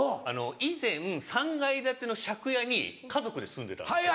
以前３階建ての借家に家族で住んでたんですよ。